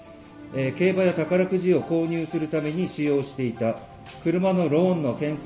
競馬や宝くじを購入するために使用していた。